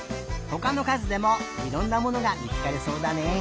ほかのかずでもいろんなものがみつかりそうだね。